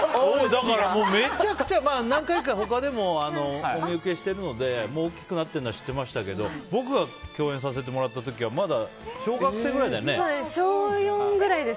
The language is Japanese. めちゃくちゃ何回か他でもお見受けしているので大きくなっているのは知っていましたけど僕が共演させてもらった時はまだ小学生くらいだよね。